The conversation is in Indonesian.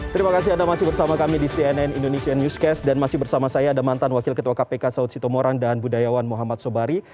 terima kasih anda masih bersama kami di cnn indonesia newscast dan masih bersama saya ada mantan wakil ketua kpk saud sitomorang dan budayawan muhammad sobari